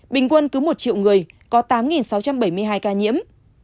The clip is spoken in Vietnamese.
bình quân cứ một triệu người có tám sáu trăm linh ca nhiễm